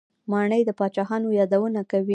ماڼۍ د پاچاهانو یادونه کوي.